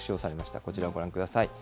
こちらをご覧ください。